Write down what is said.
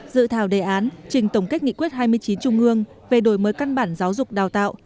dự thảo đề án trình tổng kết nghị quyết hai mươi chín trung ương về đổi mới căn bản giáo dục đào tạo